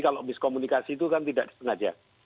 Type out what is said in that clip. kalau miskomunikasi itu kan tidak disengaja